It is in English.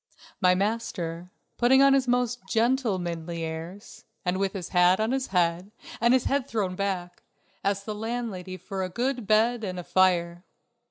My master, putting on his most "gentlemanly" airs, and with his hat on his head and his head thrown back, asked the landlady for a good bed and a fire.